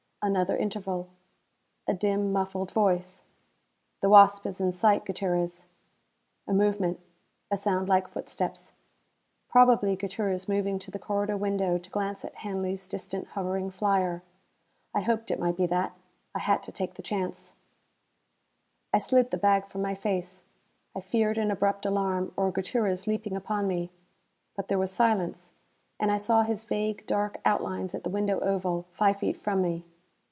Another interval. A dim muffled voice; "The Wasp is in sight, Gutierrez!" A movement a sound like footsteps. Probably Gutierrez moving to the corridor window to glance at Hanley's distant hovering flyer. I hoped it might be that: I had to take the chance. I slid the bag from my face. I feared an abrupt alarm, or Gutierrez leaping upon me. But there was silence, and I saw his vague dark outlines at the window oval, five feet from me.